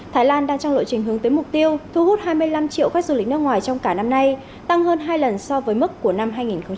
thái lan đang trong lộ trình hướng tới mục tiêu thu hút hai mươi năm triệu khách du lịch nước ngoài trong cả năm nay tăng hơn hai lần so với mức của năm hai nghìn hai mươi